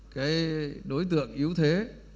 cái đối tượng yếu thế